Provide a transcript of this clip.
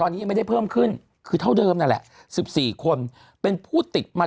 ตอนนี้ยังไม่ได้เพิ่มขึ้นคือเท่าเดิมนั่นแหละ๑๔คนเป็นผู้ติดมา